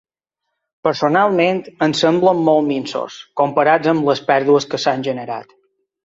Personalment, em semblen molt minsos, comparats amb les pèrdues que s’han generat.